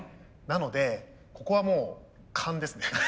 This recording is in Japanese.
なのでここはもう勘ですね。